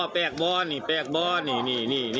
แปลกบอสแปลกบอสนี่